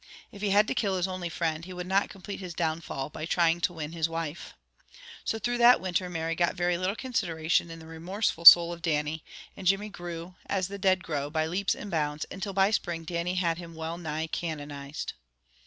If he had to kill his only friend, he would not complete his downfall by trying to win his wife. So through that winter Mary got very little consideration in the remorseful soul of Dannie, and Jimmy grew, as the dead grow, by leaps and bounds, until by spring Dannie had him well nigh canonized.